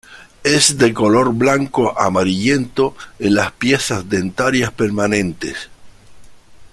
Es de color blanco-amarillento en las piezas dentarias permanentes.